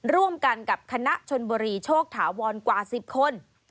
ร่วมกันกับคณะชนบุรีโชคถาวรกว่า๑๐คน